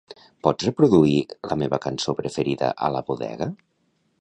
Pots reproduir la meva cançó preferida a la bodega?